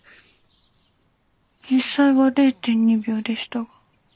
実際は０．２秒でしたが。